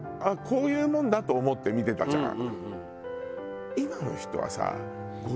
こういうもんだと思っては見てないじゃん。